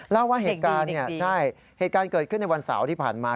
เล่าว่าเหตุการณ์เกิดขึ้นในวันเสาร์ที่ผ่านมา